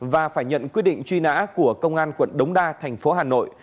và phải nhận quyết định truy nã của công an quận đống đa tp hà nội